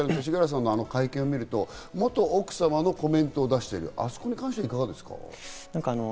旧統一協会の勅使河原さんの会見を見ると、元奥様のコメントを出している、あそこに関してはいかがですか？